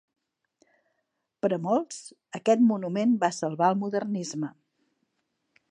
Per a molts, aquest monument va salvar el modernisme.